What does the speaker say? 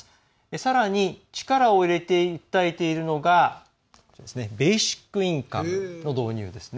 さらに力を入れて訴えているのがベーシックインカムの導入ですね。